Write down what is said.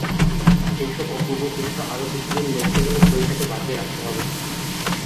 এইসব অপূর্ব দৃশ্য আরো কিছুদিন দেখতে হলে শরীরটাকে বাঁচিয়ে রাখতে হবে।